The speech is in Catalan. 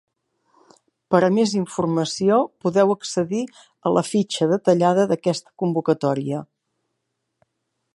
Per a més informació, podeu accedir a la fitxa detallada d'aquesta convocatòria.